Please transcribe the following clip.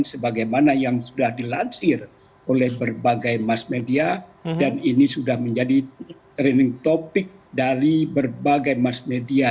sebagaimana yang sudah dilansir oleh berbagai mass media dan ini sudah menjadi training topic dari berbagai mass media